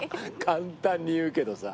簡単に言うけどさ。